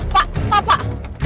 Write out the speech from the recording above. pak stop pak